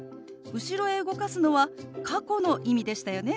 後ろへ動かすのは過去の意味でしたよね。